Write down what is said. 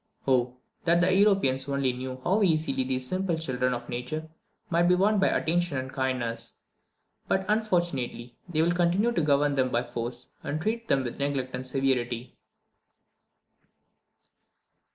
Oh, that the Europeans only knew how easily these simple children of nature might be won by attention and kindness! But, unfortunately, they will continue to govern them by force, and treat them with neglect and severity.